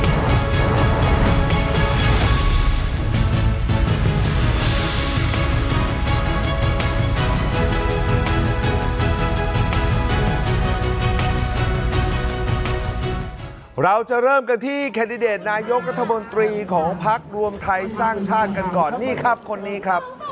เราจะเริ่มกันที่แคนดิเดตนายกรัฐมนตรีของพักรวมไทยสร้างชาติกันก่อนนี่ครับคนนี้ครับ